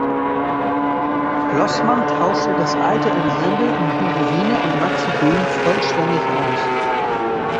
Flossmann tauschte das alte Ensemble um Hugo Wiener und Maxi Böhm vollständig aus.